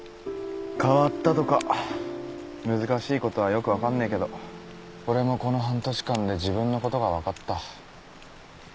変わったとか難しいことはよく分かんねえけど俺もこの半年間で自分のことが分かった。